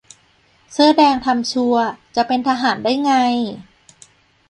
เสื้อแดงทำชัวร์ จะเป็นทหารได้ไง !